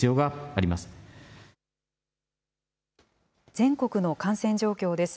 全国の感染状況です。